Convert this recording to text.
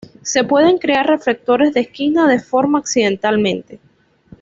Se pueden crear reflectores de esquina de forma accidentalmente.